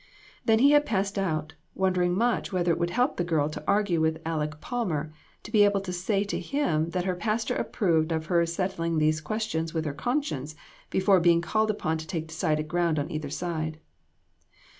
Then he had passed out, wondering much whether it would help the girl to argue with Aleck Palmer, to be able to say to him that her pastor approved of her settling these questions with her conscience before being called upon to take decided ground on either side.